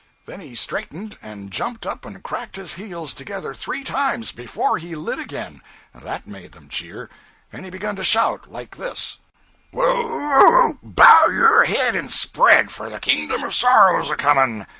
Then he straightened, and jumped up and cracked his heels together three times, before he lit again (that made them cheer), and he begun to shout like this 'Whoo oop! bow your neck and spread, for the kingdom of sorrow's a coming!